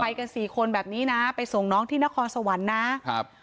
กันสี่คนแบบนี้นะไปส่งน้องที่นครสวรรค์นะครับ